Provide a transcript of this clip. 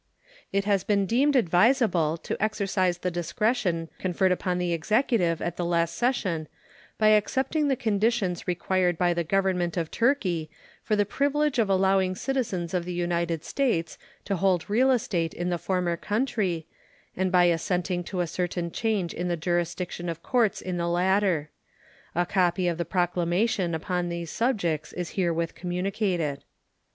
It has been deemed advisable to exercise the discretion conferred upon the Executive at the last session by accepting the conditions required by the Government of Turkey for the privilege of allowing citizens of the United States to hold real estate in the former country, and by assenting to a certain change in the jurisdiction of courts in the latter. A copy of the proclamation upon these subjects is herewith communicated.